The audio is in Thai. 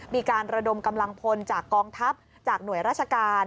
มีการระดมกำลังพลจากกองทัพจากหน่วยราชการ